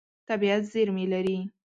طبیعت زېرمې لري.